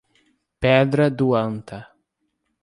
Pedra do Anta